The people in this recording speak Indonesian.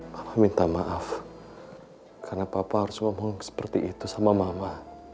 papa minta maaf karena papa harus ngomong seperti itu sama mama